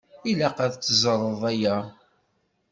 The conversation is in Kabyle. Ilaq ad t-teẓṛeḍ aya.